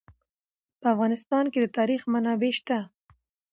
په افغانستان کې د تاریخ منابع شته.